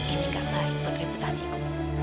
ini gak baik buat reputasiku